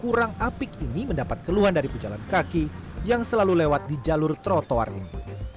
kurang apik ini mendapat keluhan dari pejalan kaki yang selalu lewat di jalur trotoar ini